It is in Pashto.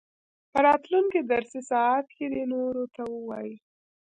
په راتلونکي درسي ساعت کې دې نورو ته ووايي.